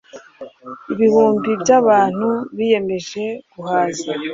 Ibihumbi byabantu biyemeje guhaza